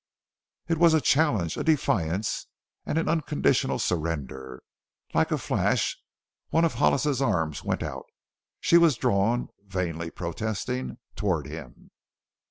It was a challenge, a defiance, and an unconditional surrender. Like a flash one of Hollis's arms went out she was drawn, vainly protesting, toward him.